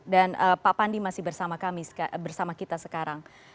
dan pak pandi masih bersama kami bersama kita sekarang